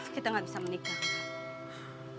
kita gak bisa menikah